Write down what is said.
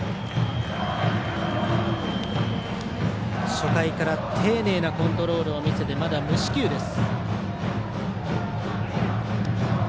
初回から丁寧なコントロールを見せてまだ無四球です。